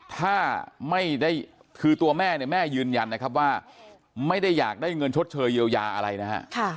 ถ้าไม่ได้คือตัวแม่เนี่ยแม่ยืนยันนะครับว่าไม่ได้อยากได้เงินชดเชยเยียวยาอะไรนะฮะ